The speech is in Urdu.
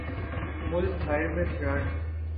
ملک بھر میں فرنٹ